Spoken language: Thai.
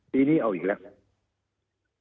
ปีนี้เอาอีกแล้ว